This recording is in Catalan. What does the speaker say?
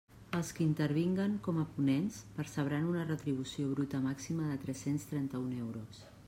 Els qui intervinguen com a ponents percebran una retribució bruta màxima de tres-cents trenta-un euros.